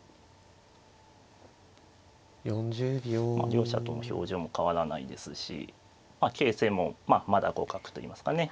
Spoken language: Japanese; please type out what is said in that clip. ４０秒。両者とも表情も変わらないですし形勢もまあまだ互角といいますかね。